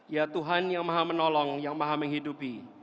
ya tuhan yang maha menolong yang maha menghidupi